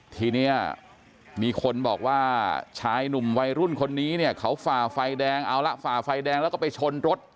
ทีนี้มีคนบอกว่าชายหนุ่มวัยรุ่นคนนี้เนี่ยเขาฝ่าไฟแดงเอาละฝ่าไฟแดงแล้วก็ไปชนรถ